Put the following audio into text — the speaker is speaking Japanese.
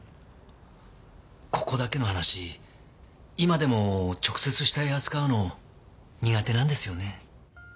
ここだけの話今でも直接死体扱うの苦手なんですよね。